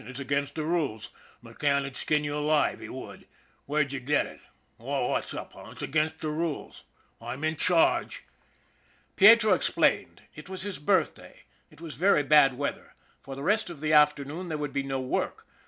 ." It's against the rules. McCann 'u'd skin you alive. He would. Whefe'd you get it? What's up, eh? It's against the rules. I'm in charge." Pietro explained. It was his birthday. It was very bad weather. For the rest of the afternoon there would be no work.